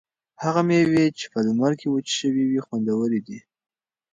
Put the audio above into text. هغه مېوې چې په لمر کې وچې شوي وي خوندورې دي.